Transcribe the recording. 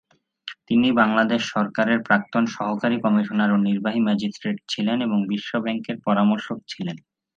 তিনি বাংলাদেশ সরকারের প্রাক্তন সহকারী কমিশনার ও নির্বাহী ম্যাজিস্ট্রেট এবং বিশ্ব ব্যাংকের পরামর্শক ছিলেন।